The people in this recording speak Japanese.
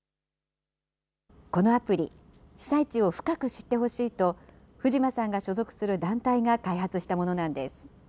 このアプリ、被災地を深く知ってほしいと、藤間さんが所属する団体が開発したものなんです。